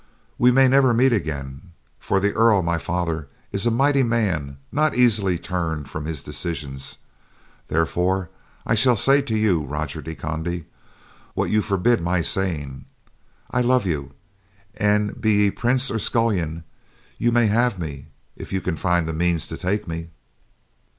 We may never meet again, for the Earl my father, is a mighty man, not easily turned from his decisions; therefore I shall say to you, Roger de Conde, what you forbid my saying. I love you, and be ye prince or scullion, you may have me, if you can find the means to take me."